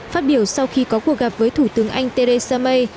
phát biểu sau khi có cuộc gặp với thủ tướng anh theresa may